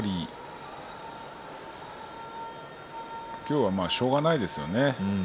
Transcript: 今日はまあ、しょうがないですよね。